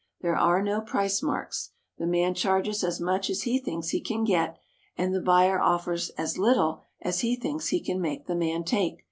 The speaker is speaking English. There are no price marks. The man charges as much as he thinks he can get, and the buyer offers as little as he thinks he can make the man take.